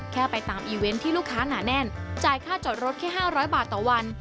ไปตามอีเวนต์ที่ลูกค้าหนาแน่นจ่ายค่าจอดรถแค่๕๐๐บาทต่อวัน